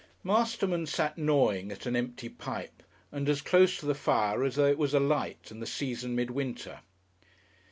Masterman sat gnawing at an empty pipe and as close to the fire as though it was alight and the season midwinter.